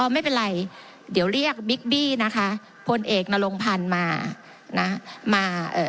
ไม่เป็นไรเดี๋ยวเรียกบิ๊กบี้นะคะพลเอกนรงพันธุ์มานะมาเอ่อ